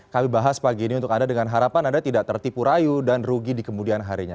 kami bahas pagi ini untuk anda dengan harapan anda tidak tertipu rayu dan rugi di kemudian harinya